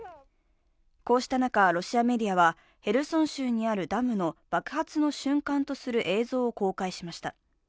こうした中、ロシアメディアはヘルソン州にあるダムの爆発の瞬間とする映像を公開しました。